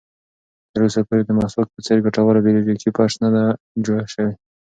تر اوسه پورې د مسواک په څېر ګټوره بیولوژیکي فرش نه ده جوړه شوې.